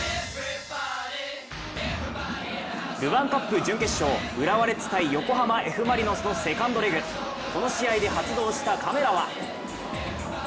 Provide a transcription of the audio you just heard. ルヴァンカップ準決勝、浦和レッズ×横浜Ｆ・マリノスのセカンドレグこの試合で発動したカメラは？